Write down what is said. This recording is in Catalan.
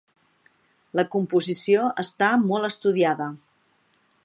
La composició està molt estudiada.